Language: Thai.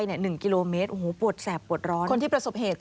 ทีนี้เรื่องของความคืบหน้าเนี่ยนะคะทีมข่าวไทยรัฐทีวีก็ติดต่อสอบถามไปที่ผู้บาดเจ็บนะคะ